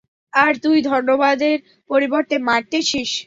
আর তুই ধন্যবাদের পরিবর্তে মারতেছিস?